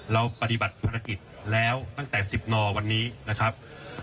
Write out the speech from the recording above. เราปฏิบัติภารกิจแล้วตั้งแต่๑๐นวันนี้นะครับ